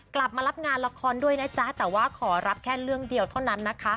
กลับมารับงานละครด้วยนะจ๊ะแต่ว่าขอรับแค่เรื่องเดียวเท่านั้นนะคะ